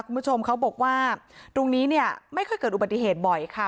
คุณผู้ชมเขาบอกว่าตรงนี้เนี่ยไม่ค่อยเกิดอุบัติเหตุบ่อยค่ะ